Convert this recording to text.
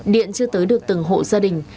điện chưa tới được từng hộ gia đình